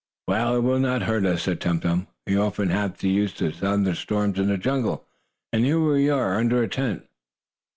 "Well, it will not hurt us," said Tum Tum. "We often used to have thunder storms in the jungle, and here we are under a tent."